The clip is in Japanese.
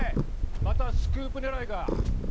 またスクープ狙いか？